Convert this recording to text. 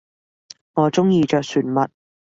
我中意着船襪